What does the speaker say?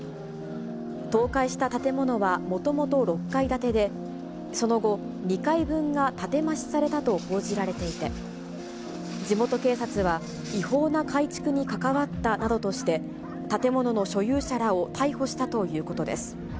倒壊した建物はもともと６階建てで、その後、２階分が建て増しされたと報じられていて、地元警察は、違法な改築に関わったなどとして、建物の所有者らを逮捕したということです。